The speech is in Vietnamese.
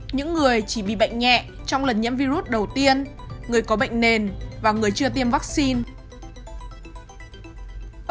những người chỉ bị bệnh nhẹ trong lần nhiễm virus đầu tiên người có bệnh nền và người chưa tiêm vaccine